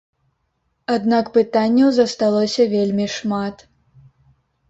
Аднак пытанняў засталося вельмі шмат.